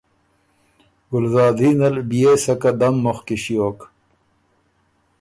ګلزادین ال بيې سۀ قدم مُخکی ݭیوک